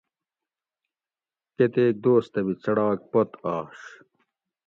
کۤتیک دوس تہ بھی څڑاک پت آش